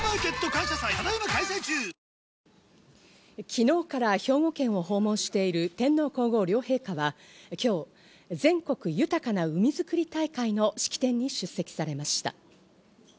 昨日から兵庫県を訪問している天皇皇后両陛下は、今日、全国豊かな海づくり大会の式典に出席されました。